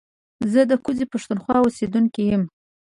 زه د کوزې پښتونخوا اوسېدونکی يم